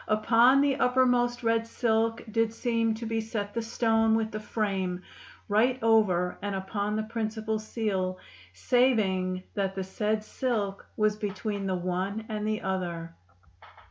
Uppon the uppermost red silk did seme to be set the stone with the frame, right over and uppon the principal seal, saving that the sayd sylk was betwene the one and the other."